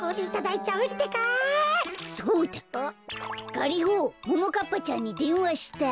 ガリホももかっぱちゃんにでんわしたい。